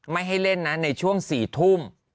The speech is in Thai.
ไม่ให้เล่นนะในช่วง๔ทุ่ม